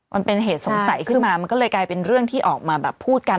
มันเป็นเหตุสงสัยขึ้นมามันก็เลยกลายเป็นเรื่องที่ออกมาแบบพูดกัน